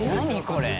これ。